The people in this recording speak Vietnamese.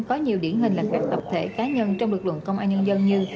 có nhiều điển hình là các tập thể cá nhân trong lực lượng công an nhân dân như